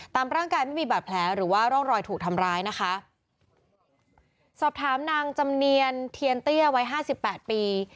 ตามร่างกายไม่มีบาดแผลหรือว่าร่องรอยถูกทำร้ายนะคะสอบถามนางจำเนียนเทียนเตี้ยวัยห้าสิบแปดปี